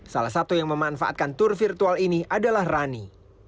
salah satu yang memanfaatkan tur virtual ini adalah rani